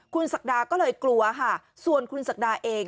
คุณศักดาก็เลยกลัวค่ะส่วนคุณศักดาเอง